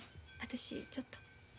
私ちょっと。